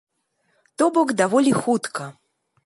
То бок даволі хутка.